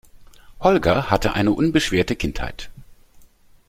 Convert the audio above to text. Holger hatte eine unbeschwerte Kindheit.